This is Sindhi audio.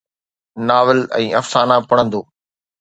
ناول ۽ افسانا پڙهندو